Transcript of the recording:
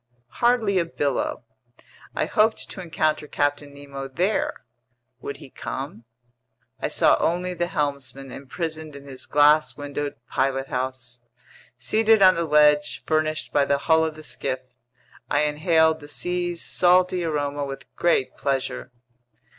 Hardly a billow. I hoped to encounter Captain Nemo there—would he come? I saw only the helmsman imprisoned in his glass windowed pilothouse. Seated on the ledge furnished by the hull of the skiff, I inhaled the sea's salty aroma with great pleasure.